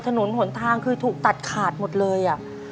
ถนนหนทางคือถูกตัดขาดหมดเลย